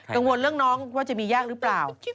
กังวลเรื่องน้องว่าจะมียากหรือเปล่า